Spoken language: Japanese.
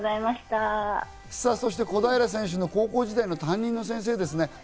そして小平選手の高校時代の担任の先生ですね。